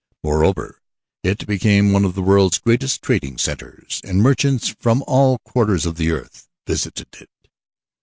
Moreover it became one of the world's great trading centers, and merchants from all quarters of the earth visited it.